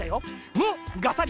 ムッガサリ。